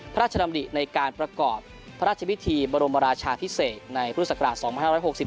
พระราชดำริในการประกอบพระราชพิธีบรมราชาพิเศษในพุทธศักราช๒๕๖๒